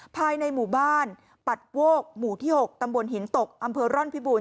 ภายในหมู่บ้านปัดโวกหมู่ที่๖ตำบลหินตกอำเภอร่อนพิบูร